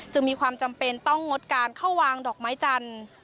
มีความจำเป็นต้องงดการเข้าวางดอกไม้จันทร์